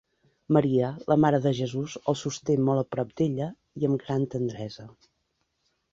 Maria, la mare de Jesús, el sosté molt a prop d'ella i amb gran tendresa.